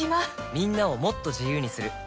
みんなをもっと自由にする「三菱冷蔵庫」